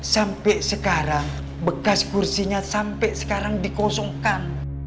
sampai sekarang bekas kursinya sampai sekarang dikosongkan